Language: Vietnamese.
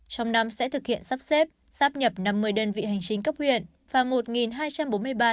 trong năm sẽ thực hiện sắp xếp sắp nhập năm mươi đơn vị hành chính cấp huyện và một hai trăm bốn mươi ba đơn vị hành chính cấp xã